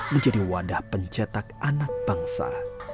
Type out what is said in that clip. menjadi wadah pencetak anak bangsa